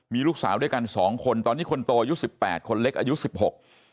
มีลูกสาวด้วยกันสองคนตอนนี้คนโตอายุสิบแปดคนเล็กอายุสิบหก